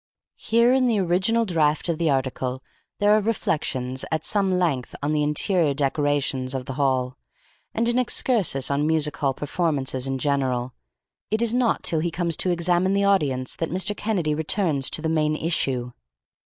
Here, in the original draft of the article, there are reflections, at some length, on the interior decorations of the Hall, and an excursus on music hall performances in general. It is not till he comes to examine the audience that Mr. Kennedy returns to the main issue.